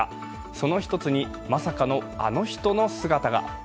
その一つに、まさかのあの人の姿が。